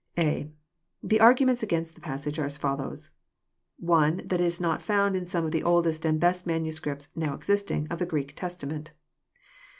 I A.] The arguments against the passage are as follows : (1) That it is not found in some of the oldest and best manu scripts, now existing, of the Greek Testament.